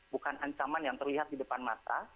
bukan ancaman yang terlihat di depan mata